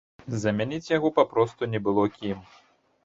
Замяніць яго папросту не было кім.